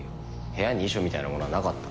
部屋に遺書みたいなものはなかった。